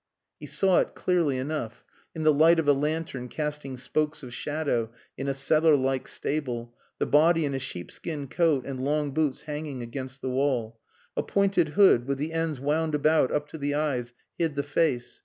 He saw it clearly enough in the light of a lantern casting spokes of shadow in a cellar like stable, the body in a sheepskin coat and long boots hanging against the wall. A pointed hood, with the ends wound about up to the eyes, hid the face.